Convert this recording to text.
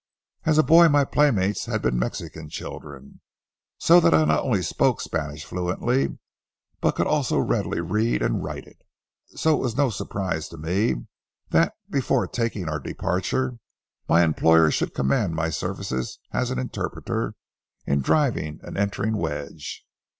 As a boy my playmates had been Mexican children, so that I not only spoke Spanish fluently but could also readily read and write it. So it was no surprise to me that, before taking our departure, my employer should command my services as an interpreter in driving an entering wedge.